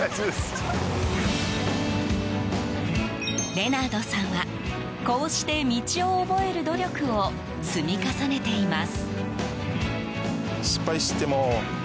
レナードさんはこうして道を覚える努力を積み重ねています。